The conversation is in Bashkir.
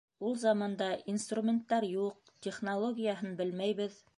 Ул заманда инструменттар юҡ, технологияһын белмәйбеҙ.